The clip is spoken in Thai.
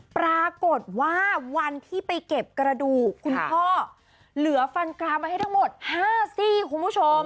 ปรากฏว่าวันที่ไปเก็บกระดูกคุณพ่อเหลือฟันกรามไว้ให้ทั้งหมด๕ซี่คุณผู้ชม